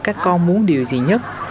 các con muốn điều gì nhất